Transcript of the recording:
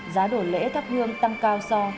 giá đổ lễ thắp hương tăng cao so